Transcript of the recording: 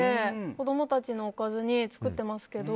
子供たちのおかずに作ってますけど。